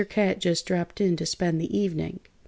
Cat just dropped in to spend the evening."